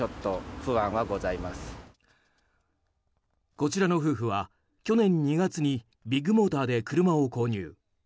こちらの夫婦は、去年２月にビッグモーターで車を購入。